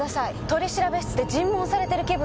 取調室で尋問されてる気分です。